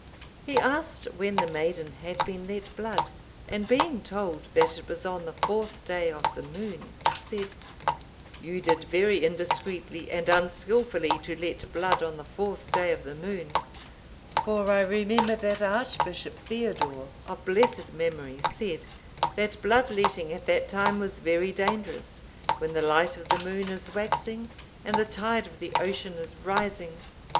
He asked when the maiden had been let blood, and being told that it was on the fourth day of the moon, said, 'You did very indiscreetly and unskilfully to let blood on the fourth day of the moon; for I remember that Archbishop Theodore,(782) of blessed memory, said, that blood letting at that time was very dangerous, when the light of the moon is waxing and the tide of the ocean is rising.